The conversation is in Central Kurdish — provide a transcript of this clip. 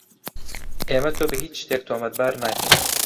ئێمە تۆ بە هیچ شتێک تۆمەتبار ناکەین.